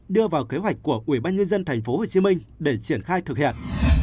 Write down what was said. đưa vào kế hoạch của ủy ban nhân dân thành phố hồ chí minh để triển khai thực hiện